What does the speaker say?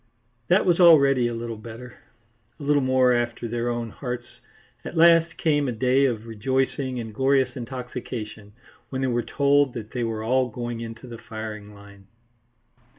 That was already a little better, a little more after their own hearts. At last came a day of rejoicing and glorious intoxication, when they were told that they were all going into the firing line.